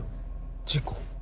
事故？